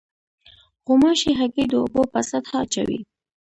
غوماشې هګۍ د اوبو په سطحه اچوي.